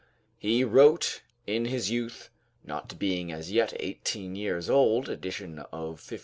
He wrote in his youth, ["Not being as yet eighteen years old." Edition of 1588.